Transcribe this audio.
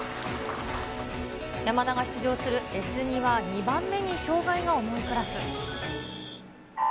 山田が出場するＳ２は２番目に障がいが重いクラス。